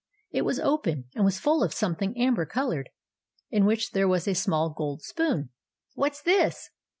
It was open, and was full of something amber coloured, in which there was a small gold spoon. "What's this?"